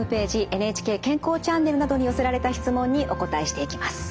ＮＨＫ健康チャンネルなどに寄せられた質問にお答えしていきます。